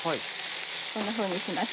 こんなふうにします。